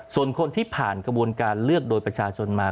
ส่วนคนที่ผ่านกระบวนการเลือกโดยประชาชนมา